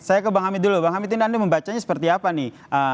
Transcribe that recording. saya ke bang hamid dulu bang amitin anda membacanya seperti apa nih